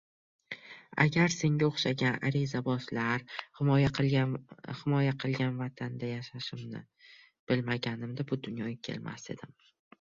— Agar senga o‘xshagan arizabozlar himoya qilgan vatanda yashashimni bilganimda, bu dunyoga kelmas edim!